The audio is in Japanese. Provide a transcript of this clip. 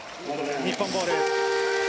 日本ボール。